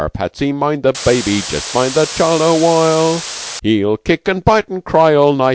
Arrah, Patsy, mind the baby; just ye mind the child awhile! He'll kick an' bite an' cry all night!